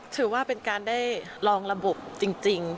ถือว่าเป็นการได้ลองระบบจริง